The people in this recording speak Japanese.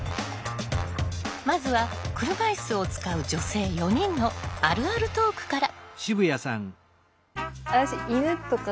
まずは車いすを使う女性４人の「あるあるトーク」から。